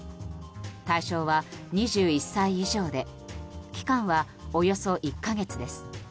対象は２１歳以上で期間はおよそ１か月です。